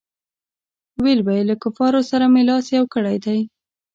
ویل به یې له کفارو سره مې لاس یو کړی دی.